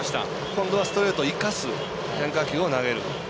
今度はストレートを生かす変化球を投げる。